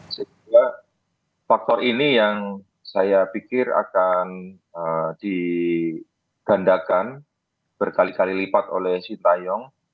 sehingga faktor ini yang saya pikir akan digandakan berkali kali lipat oleh sintayong